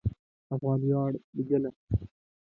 افغان ویاړ مجله